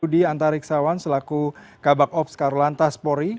di antariksawan selaku kabupaten sekarulantas pori